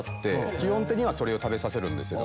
基本的にはそれを食べさせるんですけど。